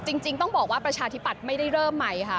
จริงต้องบอกว่าประชาธิปัตย์ไม่ได้เริ่มใหม่ค่ะ